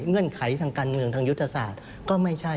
เงื่อนไขทางการเมืองทางยุทธศาสตร์ก็ไม่ใช่